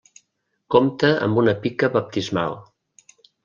Compta amb una pica Baptismal.